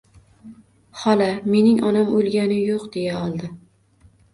Hola, mening onam o'lgani yo'q, — deya oldi.